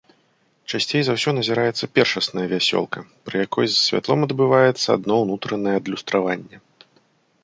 Часцей за ўсё назіраецца першасная вясёлка, пры якой з святлом адбываецца адно ўнутранае адлюстраванне.